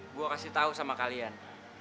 gue kasih tau sama kalian